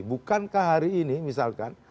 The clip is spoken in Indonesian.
bukankah hari ini misalkan